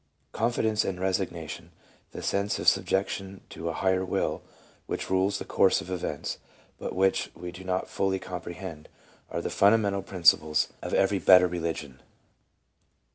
Confidence and resignation, the sense of subjection to a higher will which rules the course of events, but which we do not fully comprehend, are the fundamental principles of every better re 328 LEUBA : ligion.